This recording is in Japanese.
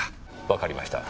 わかりました。